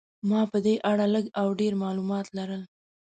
ما په دې اړه لږ او ډېر معلومات لرل.